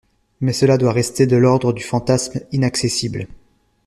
Mais cela doit rester de l’ordre du fantasme inaccessible.